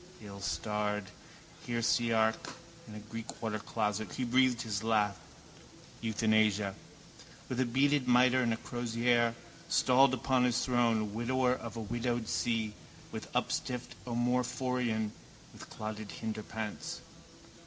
Illstarred heresiarch! In a Greek watercloset he breathed his last: euthanasia. With beaded mitre and with crozier, stalled upon his throne, widower of a widowed see, with upstiffed omophorion, with clotted hinderparts.